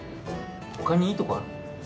他にいいとこある？